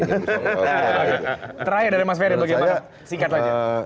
terakhir dari mas ferry bagaimana sikat aja